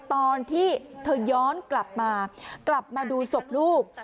ตอนที่เธอย้อนกลับมากลับมาดูศพลูก